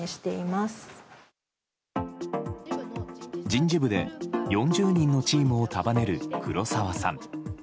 人事部で４０人のチームを束ねる黒沢さん。